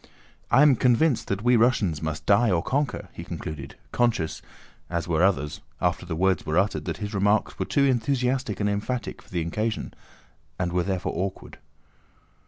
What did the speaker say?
"I am convinced that we Russians must die or conquer," he concluded, conscious—as were others—after the words were uttered that his remarks were too enthusiastic and emphatic for the occasion and were therefore awkward.